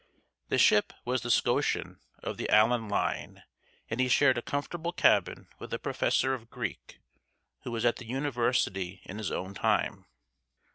The ship was the 'Scotian' of the Allan Line, and he "shared a comfortable cabin with a professor of Greek," who was at the University in his own time.